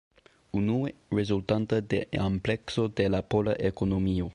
Unue: rezultanta de amplekso de la pola ekonomio.